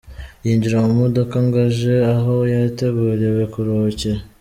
Yinjira mu modoka ngo age aho yateguriwe kuruhukira.